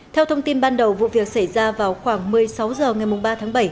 theo thông tin ban đầu vụ việc xảy ra vào khoảng một mươi sáu h ngày ba tháng bảy